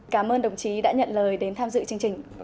cảm ơn đồng chí đã nhận lời đến tham dự chương trình